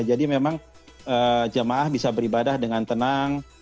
jadi memang jamaah bisa beribadah dengan tenang